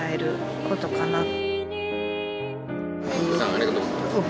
ありがとうございます。